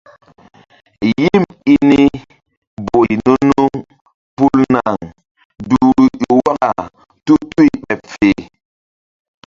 Yim i ni boy nu-nuŋ pul naŋ duhru ƴo waka tutuy ɓeɓ fe.